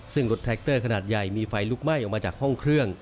ซึ่งรถแท็กเตอร์ขนาดใหญ่มีไฟลุกไหม้ออกมาจากห้องเครื่อง